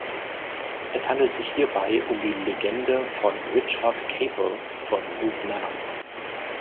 Es handelt sich hierbei um die Legende von Richard Capel von Brooke Manor.